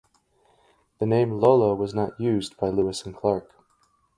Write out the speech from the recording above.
The name Lolo was not used by Lewis and Clark.